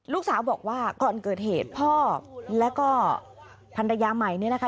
ลูกสาวบอกว่าก่อนเกิดเหตุพ่อแล้วก็ภรรยาใหม่เนี่ยนะคะ